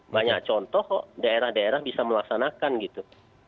banyak contoh kok daerah daerah bisa melaksanakan gitu